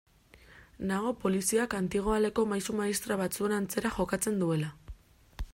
Nago poliziak antigoaleko maisu-maistra batzuen antzera jokatzen duela.